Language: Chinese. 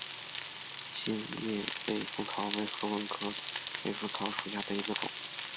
心叶尾稃草为禾本科尾稃草属下的一个种。